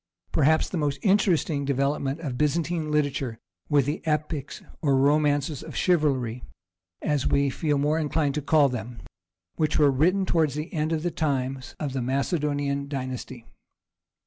Perhaps the most interesting development of Byzantine literature were the epics, or Romances of Chivalry as we feel more inclined to call them, which were written toward the end of the times of the Macedonian dynasty.